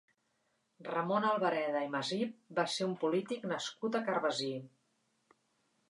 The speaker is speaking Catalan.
Ramon Albareda i Masip va ser un polític nascut a Carbasí.